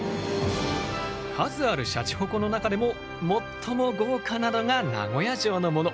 数あるシャチホコの中でも最も豪華なのが名古屋城のもの。